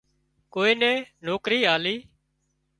ڪوئي نين نوڪرِي آلي